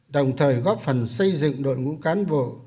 đồng thời góp phần xây dựng đội ngũ cán bộ